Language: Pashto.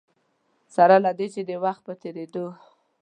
سره له دې چې د وخت په تېرېدو.